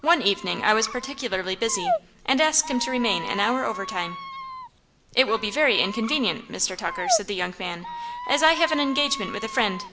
One evening I was particularly busy, and asked him to remain an hour overtime. "'It will be very inconvenient, Mr. Tucker,' said the young man, 'as I have an engagement with a friend.'